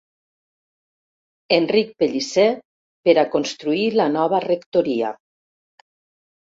Enric Pellicer per a construir la nova rectoria.